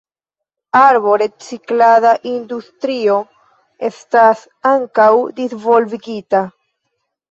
Arbo-reciklada industrio estas ankaŭ disvolvigita.